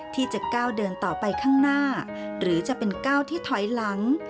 ที่จะก้าวเดินต่อไปข้างหน้าหรือจะเป็นก้าวที่ถอยหลัง